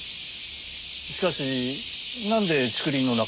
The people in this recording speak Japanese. しかしなんで竹林の中をご覧に？